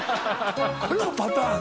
このパターンや。